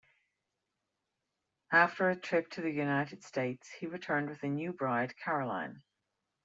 After a trip to the United States, he returned with a new bride, Caroline.